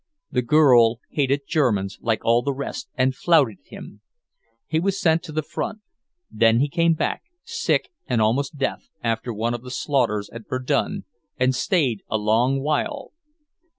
The girl hated Germans, like all the rest, and flouted him. He was sent to the front. Then he came back, sick and almost deaf, after one of the slaughters at Verdun, and stayed a long while.